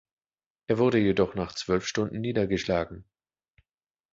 Er wurde jedoch nach zwölf Stunden niedergeschlagen.